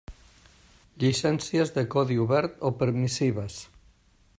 Llicències de codi obert o permissives.